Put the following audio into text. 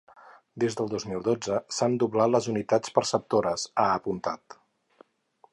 Des del dos mil dotze, s’han doblat les unitats perceptores, ha apuntat.